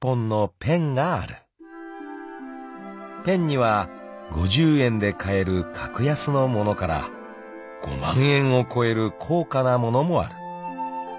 ［ペンには５０円で買える格安の物から５万円を超える高価な物もある］